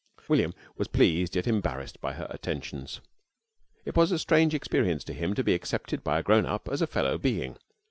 William was pleased yet embarrassed by her attentions. It was a strange experience to him to be accepted by a grown up as a fellow being.